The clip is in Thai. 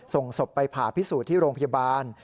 ส่งศพไปผ่าพิสูจน์ที่โรงพยาบาล